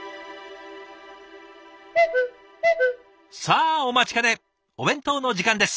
さあお待ちかねお弁当の時間です。